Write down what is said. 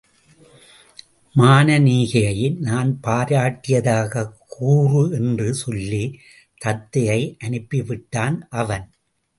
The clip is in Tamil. மானனீகையை நான் பாராட்டியதாகக் கூறு என்று சொல்லித் தத்தையை அனுப்பி விட்டான் அவன்.